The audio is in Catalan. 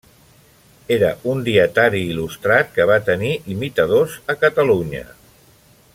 Era un dietari il·lustrat que va tenir imitadors a Catalunya.